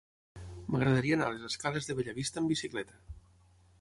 M'agradaria anar a les escales de Bellavista amb bicicleta.